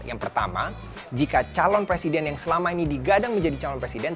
yang pertama jika calon presiden yang selama ini digadang menjadi calon presiden